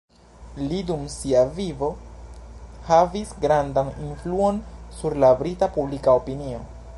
Li dum sia vivo havis grandan influon sur la brita publika opinio.